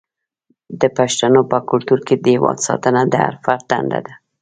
د پښتنو په کلتور کې د هیواد ساتنه د هر فرد دنده ده.